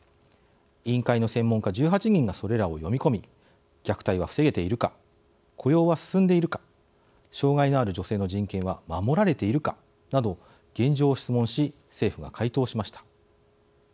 委員会の専門家１８人がそれらを読み込み虐待は防げているか雇用は進んでいるか障害のある女性の人権は守られているかなど現状を質問し政府が回答しました。